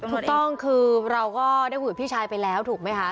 ถูกต้องคือเราก็ได้คุยกับพี่ชายไปแล้วถูกไหมคะ